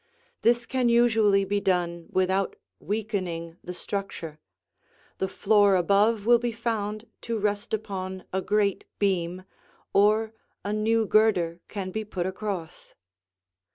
This can usually be done without weakening the structure; the floor above will be found to rest upon a great beam, or a new girder can be put across.